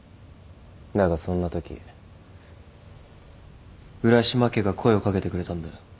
だがそんなとき浦島家が声を掛けてくれたんだよ。